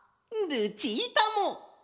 ルチータも！